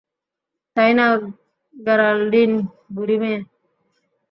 তাই না, গেরাল্ডিন, বুড়ি মেয়ে?